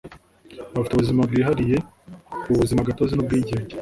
bafite ubuzima bwihariye ubuzimagatozi n’ubwigenge